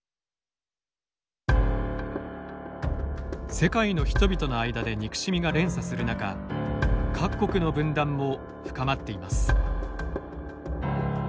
世界の人々の間で憎しみが連鎖する中各国の分断も深まっています。